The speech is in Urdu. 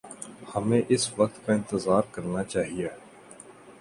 ہمیں اس وقت کا انتظار کرنا چاہیے۔